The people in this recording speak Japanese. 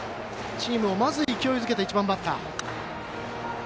チームをまず勢いづけた１番バッター。